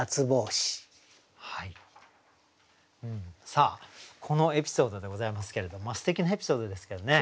さあこのエピソードでございますけれどもすてきなエピソードですけどね